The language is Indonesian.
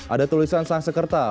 ada tulisan sang sekerta